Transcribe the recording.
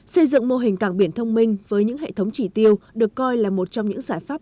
xây dựng mô hình càng biển thông minh với những hệ thống chỉ tiêu được coi là một trong những giải pháp